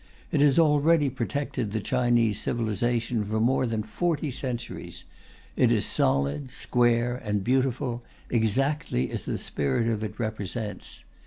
It has already protected the Chinese civilization for more than forty centuries. It is solid, square, and beautiful, exactly as the spirit of it represents.